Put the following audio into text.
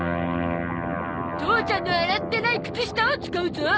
父ちゃんの洗ってない靴下を使うゾ。